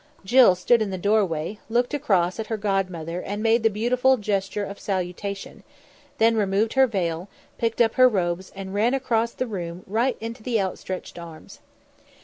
Jill stood in the doorway; looked across at her godmother, and made the beautiful gesture of salutation, then removed her veil, picked up her robes and ran across the room right into the outstretched arms.